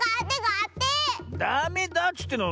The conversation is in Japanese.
ダメだっつってんの！